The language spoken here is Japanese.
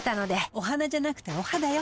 お花じゃなくてお肌よ。